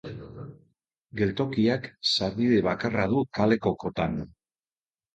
Geltokiak sarbide bakarra du, kaleko kotan.